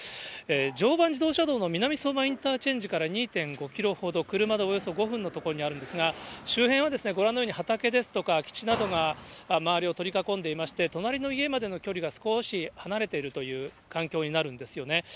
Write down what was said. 常磐自動車道の南相馬インターチェンジから２．５キロほど、車でおよそ５分の所にあるんですが、周辺はご覧のように畑ですとか空地などが周りを取り囲んでいまして、隣の家までの距離が少し離れているという環境になるんですよね。